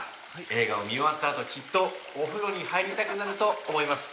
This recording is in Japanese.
映画を見終わったあときっとお風呂に入りたくなると思います。